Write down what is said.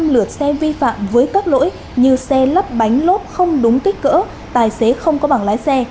năm lượt xe vi phạm với các lỗi như xe lắp bánh lốp không đúng kích cỡ tài xế không có bảng lái xe